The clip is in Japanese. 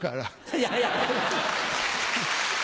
いやいや。